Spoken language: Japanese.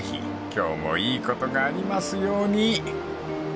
［今日も良いことがありますように］